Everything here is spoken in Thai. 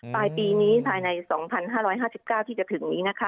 ปลายปีนี้ภายใน๒๕๕๙ที่จะถึงนี้นะคะ